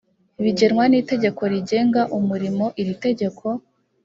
bigengwa n itegeko rigenga umurimo iri tegeko